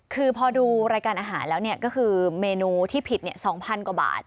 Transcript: คือพอดูรายการอาหารแล้วก็คือเมนูที่ผิด๒๐๐กว่าบาท